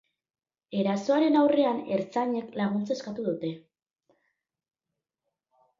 Erasoaren aurrean ertzainek laguntza eskatu dute.